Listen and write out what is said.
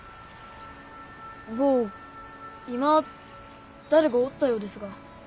坊今誰かおったようですが。